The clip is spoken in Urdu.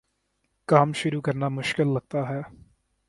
کام شروع کرنا مشکل لگتا ہے